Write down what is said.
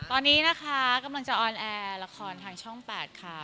ตอนนี้นะคะกำลังจะออนแอร์ละครทางช่อง๘ค่ะ